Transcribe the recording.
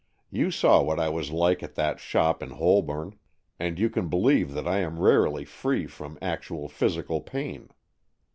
You saw what I was like at that shop in Holborn, and you can believe that I am rarely free from actual physical pain.